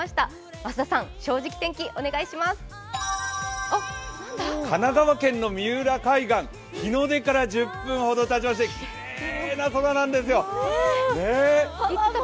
増田さん、「正直天気」お願いします神奈川県の三浦海岸、日の出から１０分ほどたちましてきれいな空なんですよ。